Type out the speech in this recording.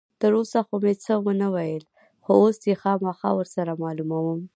تر اوسه خو مې څه نه ویل، خو اوس یې خامخا ور سره معلوموم.